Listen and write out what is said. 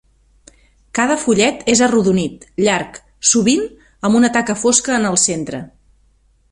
Cada fullet és arrodonit, llarg, sovint amb una taca fosca en el centre.